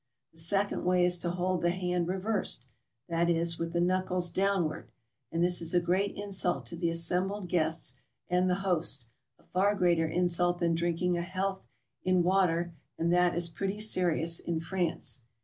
The second way is to hold the hand reversed — that is, with the knuckles downward — and this is a great insult to the as sembled guests and the host — a far greater insult than drink ing a health in water, and that is pretty serious in France.